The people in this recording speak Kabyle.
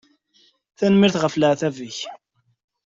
Tanemmirt ɣef leɛtab-ik.